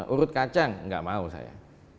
urut kacang nggak mau saya